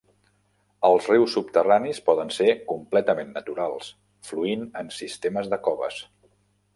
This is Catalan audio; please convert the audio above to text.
Els rius subterranis poden ser completament naturals fluint en sistemes de coves.